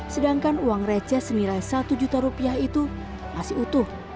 sedangkan uang receh senilai satu juta rupiah itu masih utuh